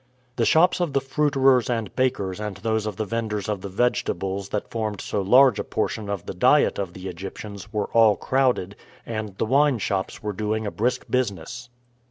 The shops of the fruiterers and bakers and those of the venders of the vegetables that formed so large a portion of the diet of the Egyptians were all crowded, and the wine shops were doing a brisk business.